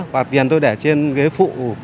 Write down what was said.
và tiền tôi để trên ghế phụ